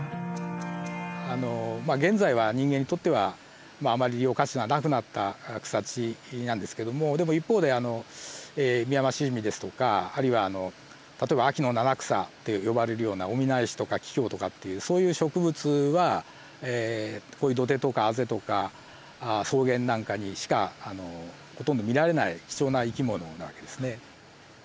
現在は人間にとってはあまり利用価値がなくなった草地なんですけどもでも一方でミヤマシジミですとかあるいは例えば秋の七草って呼ばれるようなオミナエシとかキキョウとかっていうそういう植物はこういう土手とかあぜとか草原なんかにしかほとんど見られない貴重な生き物な訳ですね。